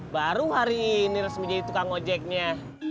baru hari ini resmi jadi tukang ngojeknya